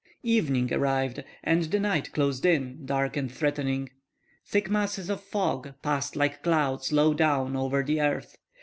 Evening arrived and the night closed in dark and threatening. Thick masses of fog passed like clouds low down over the earth.